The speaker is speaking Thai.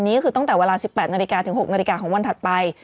นี่คือตั้งแต่เวลา๑๘นาฬิกาถึง๖นาฬิกาของวันถัดไป